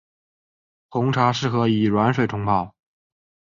红茶适合以软水冲泡。